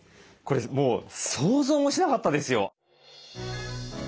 これもう想像もしなかったですよ。